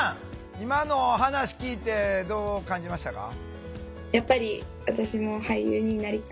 今の話聞いてどう感じましたか？